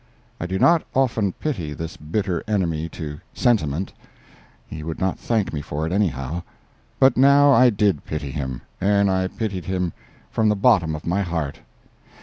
I do not often pity this bitter enemy to sentiment—he would not thank me for it, anyhow—but now I did pity him; and I pitied him from the bottom of my heart.